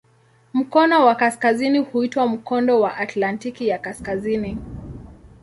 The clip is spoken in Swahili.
Mkono wa kaskazini huitwa "Mkondo wa Atlantiki ya Kaskazini".